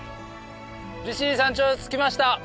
利尻山頂に着きました。